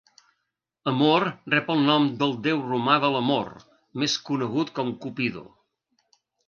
Amor rep el nom del déu romà de l'amor, més conegut com Cupido.